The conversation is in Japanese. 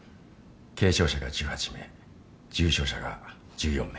軽症者が１８名重症者が１４名。